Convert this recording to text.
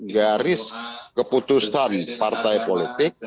garis keputusan partai politik